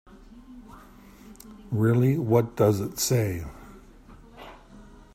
Really, what does it say?